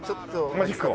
マジックを？